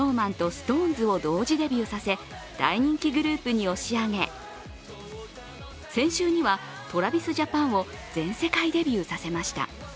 ２０２０年にはＳｎｏｗＭａｎとＳｉｘＴＯＮＥＳを同時デビューさせ大人気グループに押し上げ先週には、ＴｒａｖｉｓＪａｐａｎを全世界デビューさせました。